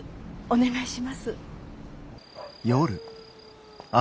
お願いします。